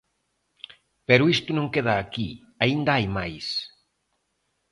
Pero isto non queda aquí, aínda hai máis.